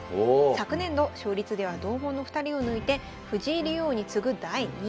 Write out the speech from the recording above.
昨年度勝率では同門の２人を抜いて藤井竜王に次ぐ第２位。